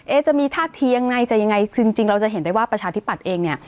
จะมีท่าทียังไงจะยังไงจริงเราจะเห็นได้ว่าประชาธิปัตย์เองเนี่ย